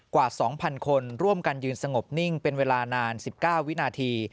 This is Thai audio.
กว่า๒๐๐คนร่วมกันยืนสงบนิ่งเป็นเวลานาน๑๙วินาที